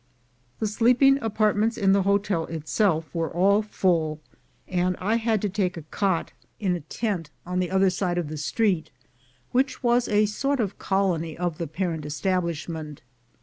The sleeping apartments in the hotel itself were all full, and I had to take a cot in a tent on the other 297 298 THE GOLD HUNTERS side of the street, which was a sort of colony of the parent establishment.